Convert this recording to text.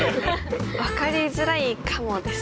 分かりづらいかもです。